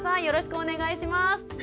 よろしくお願いします。